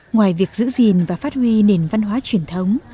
ngoài việc giữ gìn và phát huy nền văn hóa truyền thống